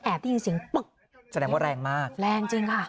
ได้ยินเสียงปึ๊กแสดงว่าแรงมากแรงจริงค่ะ